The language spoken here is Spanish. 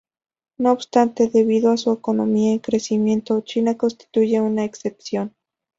No obstante, debido a su economía en crecimiento, China constituye una excepción.